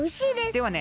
ではね